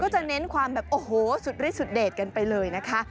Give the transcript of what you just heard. จะเน้นความแบบโอ้โหสุดฤทธสุดเด็ดกันไปเลยนะคะ